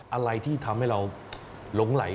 อะไรที่ทำให้เราหลงไหล